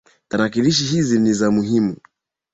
Tarakilishi hizi ni za muhimu